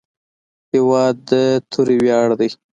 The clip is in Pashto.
هېواد د توري ویاړ دی.